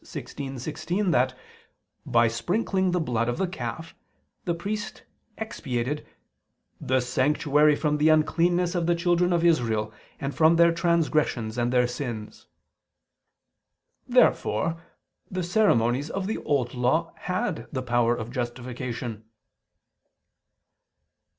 16:16) that, by sprinkling the blood of the calf, the priest expiated "the sanctuary from the uncleanness of the children of Israel, and from their transgressions and ... their sins." Therefore the ceremonies of the Old Law had the power of justification.